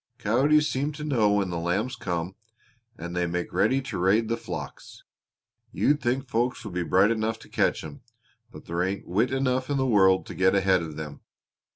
Coyotes seem to know when the lambs come and they make ready to raid the flocks. You'd think folks would be bright enough to catch 'em, but there ain't wit enough in the world to get ahead of them.